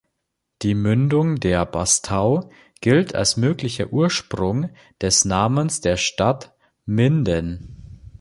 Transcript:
Die Mündung der Bastau gilt als möglicher Ursprung des Namens der Stadt Minden.